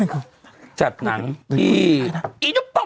เป็นการกระตุ้นการไหลเวียนของเลือด